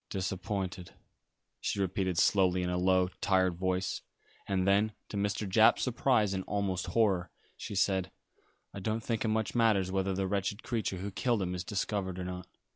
"Disappointed," she repeated slowly in a low, tired voice, and then, to Mr. Japp's surprise and almost horror, she said, "I don't think it much matters whether the wretched creature who killed him is discovered or not.